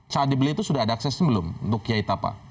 saat dibeli itu sudah ada aksesnya belum untuk kiai tapa